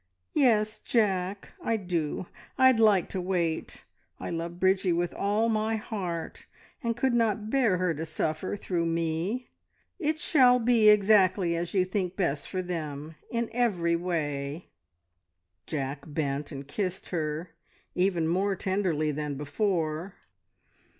"Yes, Jack, I do. I'd like to wait. I love Bridgie with all my heart, and could not bear her to suffer through me. It shall be exactly as you think best for them in every way." Jack bent and kissed her, even more tenderly than before.